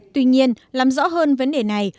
tuy nhiên làm rõ hơn vấn đề này